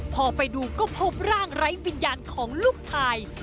พอไปดูก็พบร่างไร้วิญญาณของลูกชาย